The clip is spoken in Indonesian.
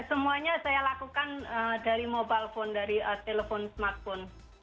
semuanya saya lakukan dari mobile phone dari telepon smartphone